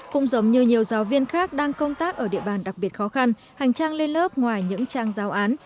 cũng giống như nhiều giáo viên khác đang công tác ở địa bàn đặc biệt khó khăn hành trang lên lớp ngoài những trang giáo án